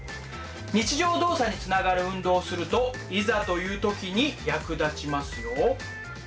日常動作につながる運動をするといざという時に役立ちますよ。